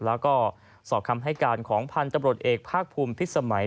แล้วก็สอบคำให้การของพันธุ์ตำรวจเอกภาคภูมิพิษสมัย